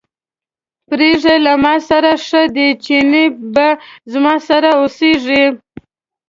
پرېږده له ماسره ښه دی، چينی به زما سره اوسېږي.